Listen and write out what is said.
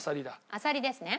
アサリですね？